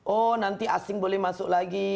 oh nanti asing boleh masuk lagi